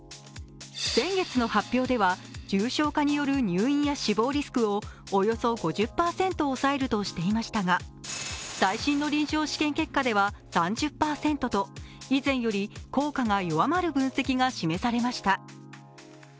先月の発表では、重症化による入院や死亡リスクをおよそ５０％抑えるとしていましたが最新の臨床試験結果では３０％と以前より効果が弱まる分析が示されました。